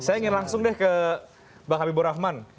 saya ingin langsung deh ke bang habibur rahman